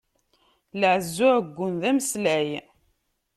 Lɛezza uɛeggun d ameslay.